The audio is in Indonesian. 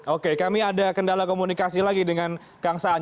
oke kami ada kendala komunikasi lagi dengan kang saan